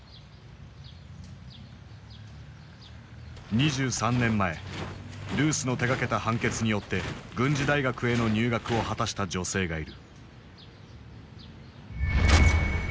２３年前ルースの手がけた判決によって軍事大学への入学を果たした女性がいる。